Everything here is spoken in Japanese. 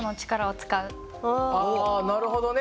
なるほどね。